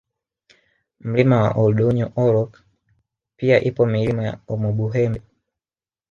Mlima wa Oldoinyo Orok pia ipo Milima ya Omubuhembe